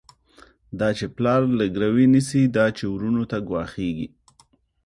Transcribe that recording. دا چی پلار له ګروی نيسی، دا چی وروڼو ته ګواښيږی